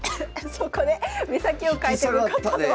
そこで目先を変えて向かったのは。